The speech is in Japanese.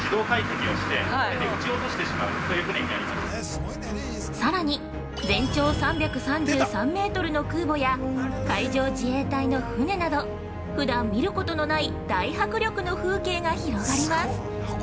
◆さらに全長３３３メートルの空母や海上自衛隊の船など普段見ることのない大迫力の風景が広がります。